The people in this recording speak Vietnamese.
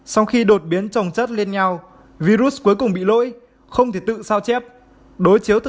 sau khi đột biến châu âu